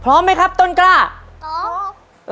พร้อมไหมครับต้นกล้าพร้อม